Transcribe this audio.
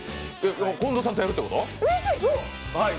近藤さんとやるっていうこと？